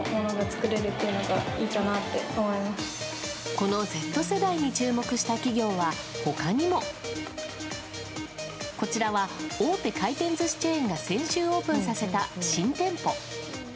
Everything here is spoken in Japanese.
このＺ世代に注目した企業は他にも。こちらは大手回転寿司チェーンが先週オープンさせた新店舗。